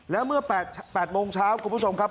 แล้วเมื่อ๘โมงเช้าคุณผู้ชมครับ